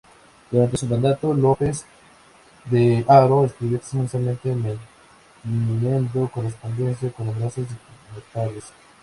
Durante su mandato, López de Haro escribió extensamente manteniendo correspondencia con numerosos dignatarios.